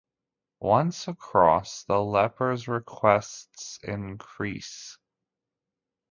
Once across, the leper's requests increase.